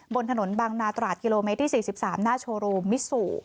บนถนนบางนาตราติที่สี่สิบสามหน้าโชโรมิสุ